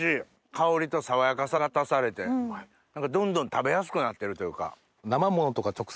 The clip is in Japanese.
香りと爽やかさが足されてどんどん食べやすくなってるというか。